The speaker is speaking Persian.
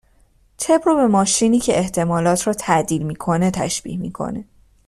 طب رو به ماشینی که احتمالات را تَعدیل میکنه تشبیه میکنه.